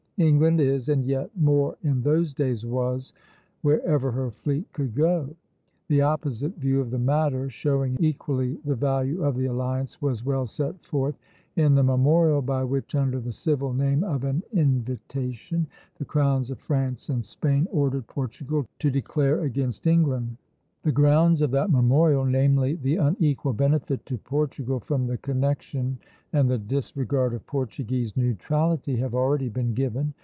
England is, and yet more in those days was, wherever her fleet could go. The opposite view of the matter, showing equally the value of the alliance, was well set forth in the memorial by which, under the civil name of an invitation, the crowns of France and Spain ordered Portugal to declare against England. The grounds of that memorial namely, the unequal benefit to Portugal from the connection and the disregard of Portuguese neutrality have already been given.